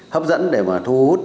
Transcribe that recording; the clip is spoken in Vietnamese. hấp dẫn để mà thu hút